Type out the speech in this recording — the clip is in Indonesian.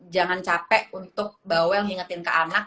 jangan capek untuk bawa yang ngingetin ke anak